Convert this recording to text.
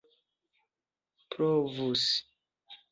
provus